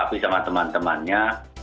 raffi sama teman temannya